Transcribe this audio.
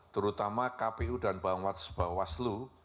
terutama kpu dan bawaslu